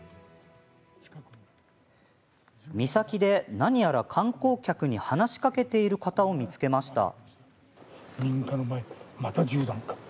岬で何やら観光客に話しかけている方を見つけました。